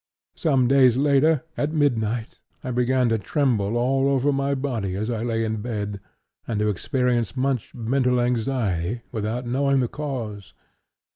Some days later, at midnight, I began to tremble all over my body as I lay in bed, and to experience much mental anxiety without knowing the cause.